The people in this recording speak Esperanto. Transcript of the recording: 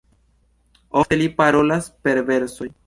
Ofte li parolas per versoj.